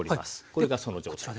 これがその状態。